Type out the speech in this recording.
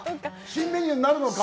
新メニューになるのか。